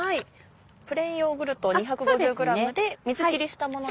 プレーンヨーグルト２５０ｇで水きりしたものでも？